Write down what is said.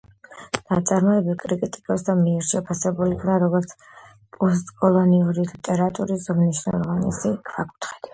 ნაწარმოები კრიტიკოსთა მიერ შეფასებულ იქნა, როგორც პოსტკოლონიური ლიტერატურის უმნიშვნელოვანესი ქვაკუთხედი.